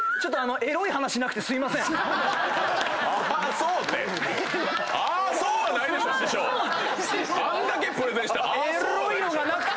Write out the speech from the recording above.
エロいのがなくて。